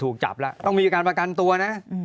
ถูกจับแล้วต้องมีการประกันตัวนะ